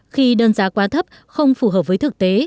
khi đơn giá quá thấp không phù hợp với thực tế